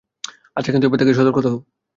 আচ্ছা, কিন্তু এবার সতর্ক থেকো।